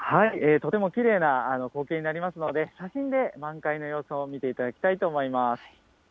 とてもきれいな光景になりますので、写真で満開の様子を見ていただきたいと思います。